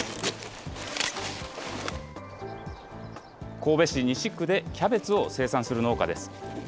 神戸市西区でキャベツを生産する農家です。